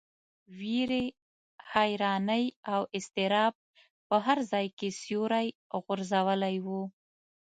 وېرې، حیرانۍ او اضطراب په هر ځای کې سیوری غوړولی و.